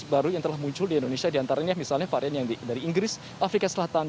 baru yang telah muncul di indonesia diantaranya misalnya varian yang dari inggris afrika selatan